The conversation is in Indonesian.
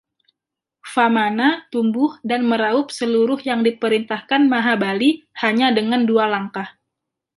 Vamana tumbuh dan meraup seluruh yang diperintah Mahabali hanya dengan dua langkah.